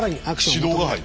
指導が入る。